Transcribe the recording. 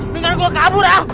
biar gua kabur ah